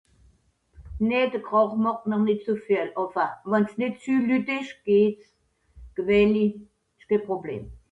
ken kràch